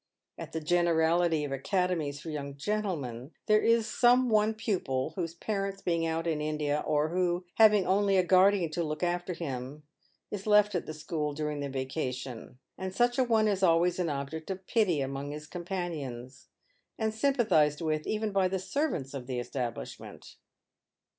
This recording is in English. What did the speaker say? At the generality of academies for young gentlemen, there is some one pupil, whose parents being out in India, or who, having only a guardian to look after him, is left at the school during the vaca tion, and such a one is always an object of pity among his companions, and sympathised with even by the servants of the establishment.